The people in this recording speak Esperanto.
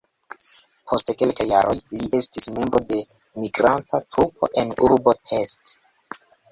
Post kelkaj jaroj li estis membro de migranta trupo en urbo Pest.